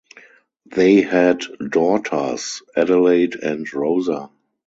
They had daughters Adelaide and Rosa.